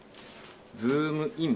ズームイン！！